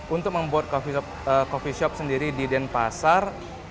untuk membuat coffee shop sendiri di denpasar